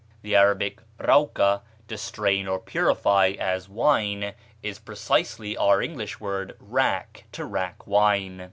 The Arabic rauka, to strain or purify, as wine, is precisely our English word rack, to rack wine.